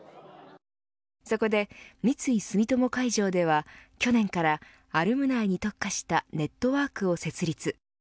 そこで、三井住友海上では去年からアルムナイに特化したネットワークを設立